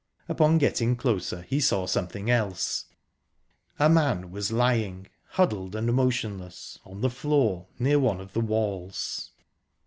Upon getting closer he saw something else. A man was lying, huddled and motionless, on the floor, near one of the walls.